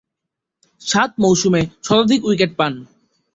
সাত মৌসুমে শতাধিক উইকেট পান।